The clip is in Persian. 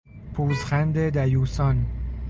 پوزخند دیوسان